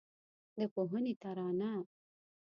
د پوهنې ترانه